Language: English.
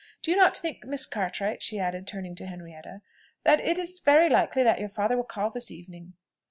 Do you not think, Miss Cartwright," she added, turning to Henrietta, "that it is very likely your father will call this evening?"